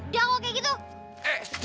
udah kok kayak gitu